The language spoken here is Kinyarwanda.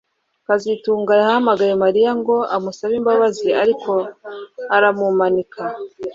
kazitunga yahamagaye Mariya ngo amusabe imbabazi ariko aramumanika